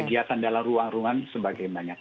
kegiatan dalam ruang ruang semakin banyak